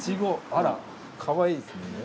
あらかわいいですね。